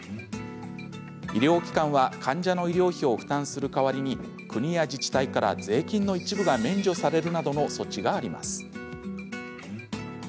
医療機関は患者の医療費を負担する代わりに国や自治体から税金の一部が免除されるなどの措置があります。